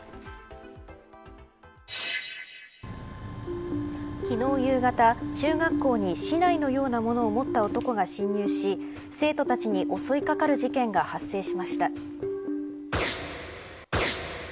その怖さを昨日夕方、中学校に竹刀のようなものを持った男が侵入し生徒たちに襲いかかる事件が発生しました。